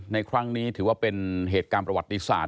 ในครั้งนี้ถือว่าเป็นเหตุการณ์ประวัติศาสตร์